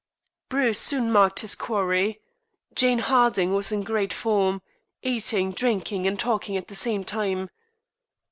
Bruce soon marked his quarry. Jane Harding was in great form eating, drinking, and talking at the same time.